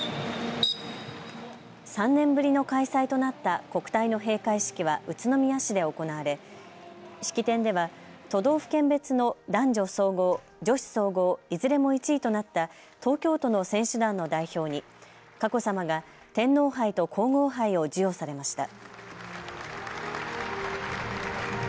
３年ぶりの開催となった国体の閉会式は宇都宮市で行われ式典では都道府県別の男女総合、女子総合、いずれも１位となった東京都の選手団の代表に佳子さまが天皇杯と皇后杯を授与されました。